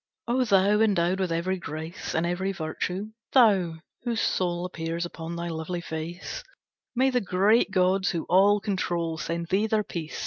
"O thou endowed with every grace And every virtue, thou whose soul Appears upon thy lovely face, May the great gods who all control Send thee their peace.